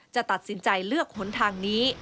จะตัดสินใจเลือกหนทางนี้